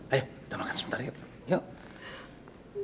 ayo kita makan sebentar yuk